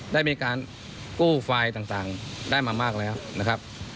ได้มีการกู้ไฟล์ต่างได้มามากแล้วนะครับ